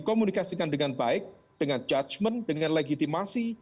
komunikasikan dengan baik dengan judgement dengan legitimasi